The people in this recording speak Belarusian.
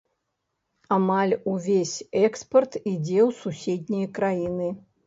Амаль увесь экспарт ідзе ў суседнія краіны.